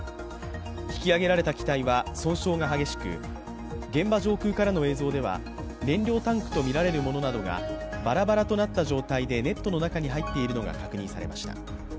引き揚げられた機体は損傷が激しく現場上空からの映像では燃料タンクとみられるものなどがバラバラとなった状態でネットの中に入っているのが確認されました。